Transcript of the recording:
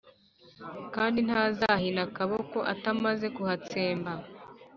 kandi ntazahina akaboko atamaze kuhatsemba.